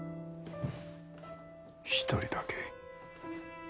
一人だけ。